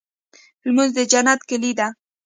لمونځ د جنت کيلي ده.